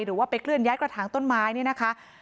หรือว่าไปเคลื่อย้ายกระถางต้นไม้เนี่ยนะคะ